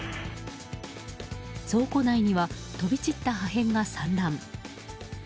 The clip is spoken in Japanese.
倉庫内には飛び散った破片が散乱。